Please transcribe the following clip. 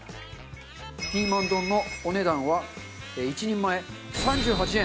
ピーマン丼のお値段は１人前３８円。